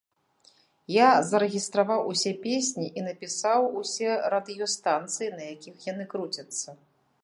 Я зарэгістраваў усе песні і напісаў усе радыёстанцыі, на якіх яны круцяцца.